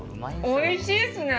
おいしいですね！